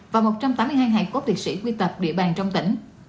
và một trăm tám mươi hai hải cốt liệt sĩ quy tập địa bàn trong tỉnh